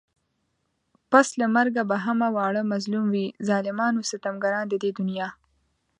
پس له مرگه به همه واړه مظلوم وي ظالمان و ستمگار د دې دنيا